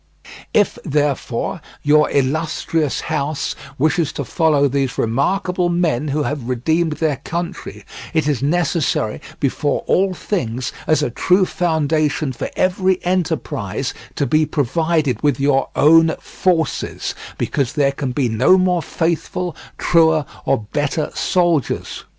If, therefore, your illustrious house wishes to follow these remarkable men who have redeemed their country, it is necessary before all things, as a true foundation for every enterprise, to be provided with your own forces, because there can be no more faithful, truer, or better soldiers.